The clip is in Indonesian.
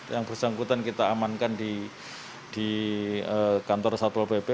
yang bersangkutan kita amankan di kantor satpol pp